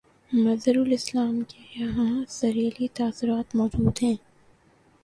مظہر الاسلام کے ہاں سرئیلی تاثرات موجود ہیں